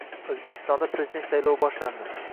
O‘zbekistonda prezident saylovi boshlandi